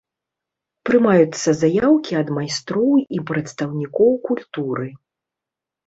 Прымаюцца заяўкі ад майстроў і прадстаўнікоў культуры.